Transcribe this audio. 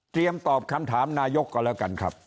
ตอบคำถามนายกก่อนแล้วกันครับ